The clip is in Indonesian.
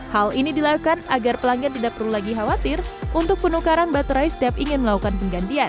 hal ini dilakukan agar pelanggan tidak perlu lagi khawatir untuk penukaran baterai setiap ingin melakukan penggantian